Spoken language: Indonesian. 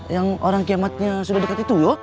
yang orang kiamatnya sudah dekat itu loh